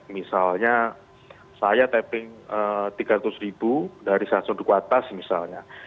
misalnya saya tapping tiga ratus dari satu dukuh atas misalnya